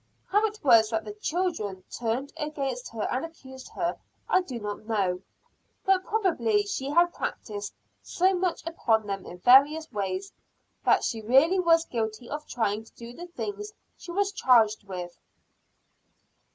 How it was that the "children" turned against her and accused her, I do not know; but probably she had practised so much upon them in various ways, that she really was guilty of trying to do the things she was charged with.